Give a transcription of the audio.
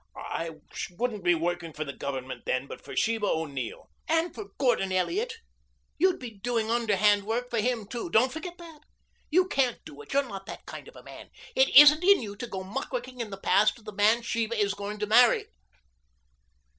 "I wouldn't be working for the Government then, but for Sheba O'Neill." "And for Gordon Elliot. You'd be doing underhand work for him too. Don't forget that. You can't do it. You're not that kind of a man. It isn't in you to go muckraking in the past of the man Sheba is going to marry."